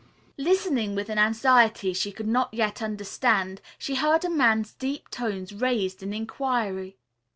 Listening with an anxiety she could not yet understand, she heard a man's deep tones raised in inquiry.